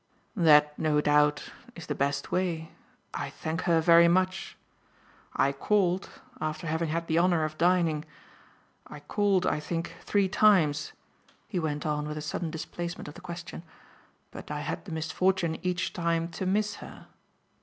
"That, no doubt, is the best way. I thank her very much. I called, after having had the honour of dining I called, I think, three times," he went on with a sudden displacement of the question; "but I had the misfortune each time to miss her."